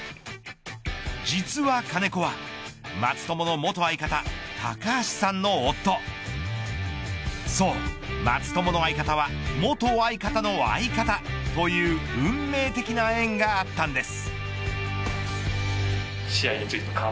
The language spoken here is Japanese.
実は金子は松友の元相方高橋さんの夫そう松友の相方は元相方の相方という運命的な縁があったんです。